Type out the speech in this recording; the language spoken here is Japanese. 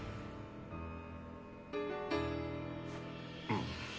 うん。